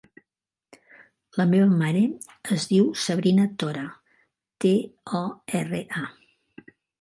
La meva mare es diu Sabrina Tora: te, o, erra, a.